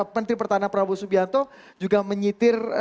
pentri pertahanan prabowo subianto juga menyetir